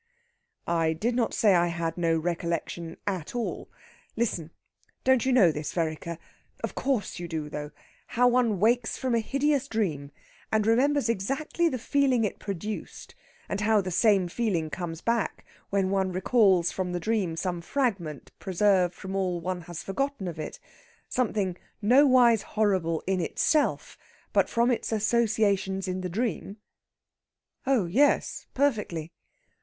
"I did not say I had no recollection at all. Listen. Don't you know this, Vereker? of course you do, though how one wakes from a hideous dream and remembers exactly the feeling it produced, and how the same feeling comes back when one recalls from the dream some fragment preserved from all one has forgotten of it something nowise horrible in itself, but from its associations in the dream?" "Oh yes, perfectly!"